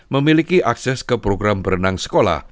memiliki akses ke program berenang sekolah